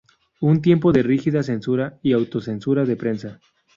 Un tiempo de rígida censura y autocensura de prensa.